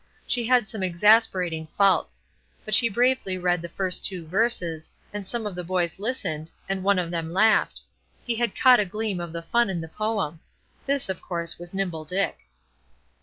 She had some exasperating faults. But she bravely read the two verses, and some of the boys listened, and one of them laughed; he had caught a gleam of the fun in the poem. This, of course, was Nimble Dick.